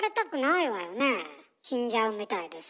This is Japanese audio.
死んじゃうみたいでさ。